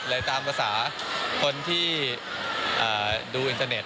กระทับคนปสาหรณ์ที่ดูอินเทอร์เน็ต